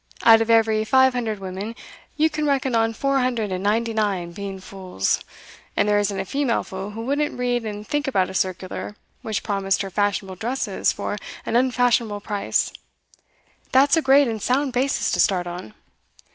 Out of every five hundred women, you can reckon on four hundred and ninety nine being fools; and there isn't a female fool who wouldn't read and think about a circular which promised her fashionable dresses for an unfashionable price. That's a great and sound basis to start on.